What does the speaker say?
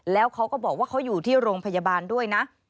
แล้วเขาก็บอกว่าเขาอยู่ที่โรงพยาบาลด้วยนะ